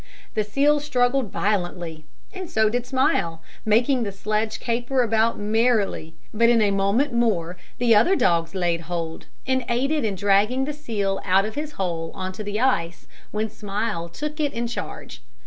The seal struggled violently, and so did Smile, making the sledge caper about merrily; but in a moment more the other dogs laid hold, and aided in dragging the seal out of his hole on to the ice, when Smile took it in charge.